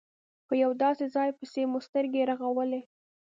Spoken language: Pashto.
په یو داسې ځای پسې مو سترګې رغولې.